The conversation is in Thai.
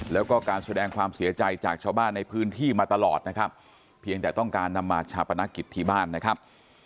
แล้วก็การแสดงความเสียใจจากชาวบ้านในพื้นที่มาตลอดนะครับเพียงแต่ต้องการนำมาชาปนกิจที่บ้านนะครับ